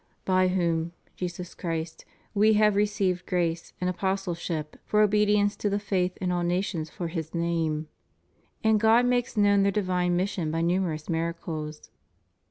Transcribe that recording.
By whom (Jesus Christ) we have received grace and apostleship for obedience to the faith in all nations for His name.^ And God makes known their divine mission by numerous miracles.